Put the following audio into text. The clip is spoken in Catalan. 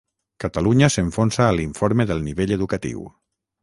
Catalunya s'enfonsa a l'informe del nivell educatiu.